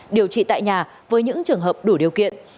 điều trị tại nhà với những trường hợp đủ điều kiện